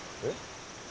えっ？